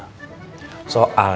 soalnya saya mau makan